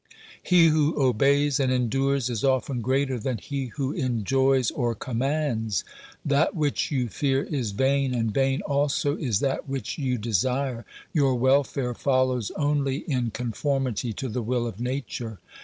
He who obeys and endures is often greater than he who enjoys or commands. That which you fear is vain, and vain also is that which you desire. Your welfare follows only in conformity to the will of Nature.